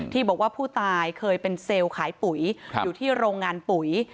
ที่บอกว่าผู้ตายเคยเป็นเซลล์ขายปุ๋ยอยู่ที่โรงงานปุ๋ย